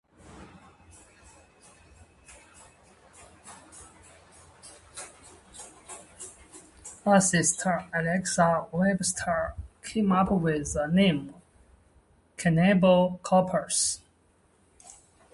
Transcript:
Bassist Alex Webster came up with the name Cannibal Corpse.